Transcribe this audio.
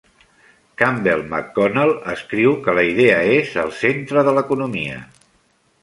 Campbell McConnell escriu que la idea és "al centre de l'economia".